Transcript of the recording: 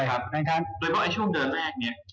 โดยเฉพาะไอ้ช่วงเดิมแรกเนี่ย